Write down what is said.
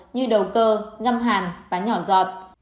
như đầu cơ ngâm hàn và nhỏ giọt